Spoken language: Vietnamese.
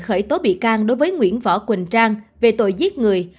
khởi tố bị can đối với nguyễn võ quỳnh trang về tội giết người